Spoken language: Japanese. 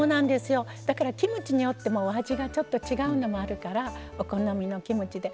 だからキムチによってもお味がちょっと違うのもあるからお好みのキムチで。